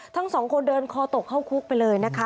ทั้งสองคนเดินคอตกเข้าคุกไปเลยนะคะ